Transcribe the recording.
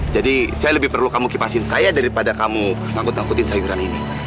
jadi saya lebih perlu kamu kipasin saya daripada kamu angkut angkutin sayuran ini